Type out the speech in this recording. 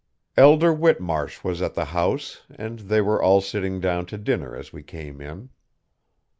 Elder Whitmarsh was at the house and they were all sitting down to dinner as we came in.